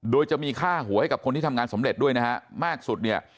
โดยจะมีค่าหัวให้กับคนที่ทำงานสำเร็จด้วยนะฮะมากสุดเนี่ย